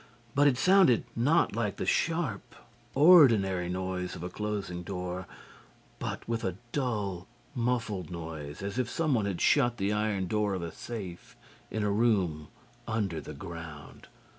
But it sounded not like the sharp ordinary noise of a closing door but with a dull muffled noise as if someone had shut the iron door of a safe in a room under the ground.